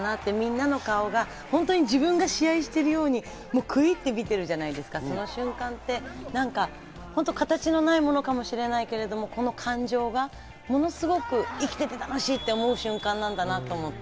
みんなの顔が本当に自分が試合をしているように食い入って見ているじゃないですか、その瞬間って形のないものかもしれないですけど、この感情がものすごく生きてて楽しいって思う瞬間なんだなと思って。